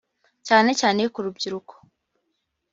cyane cyane ku rubyiruko